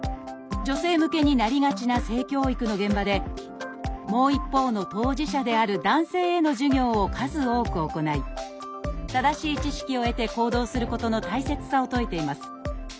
女性向けになりがちな性教育の現場でもう一方の当事者である男性への授業を数多く行い正しい知識を得て行動することの大切さを説いています。